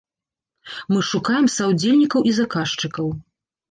Мы шукаем саўдзельнікаў і заказчыкаў.